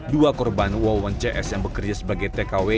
dua korban wawan cs yang bekerja sebagai tkw